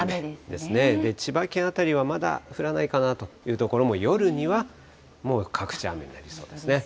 ですね、千葉県辺りはまだ降らないかなという所も、夜にはもう各地、雨になりそうですね。